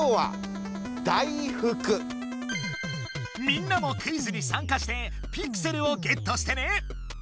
みんなもクイズに参加してピクセルをゲットしてね。